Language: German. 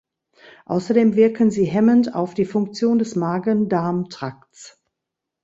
Außerdem wirken sie hemmend auf die Funktion des Magen-Darm-Trakts.